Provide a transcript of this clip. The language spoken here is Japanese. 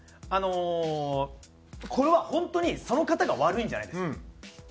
あのこれは本当にその方が悪いんじゃないです。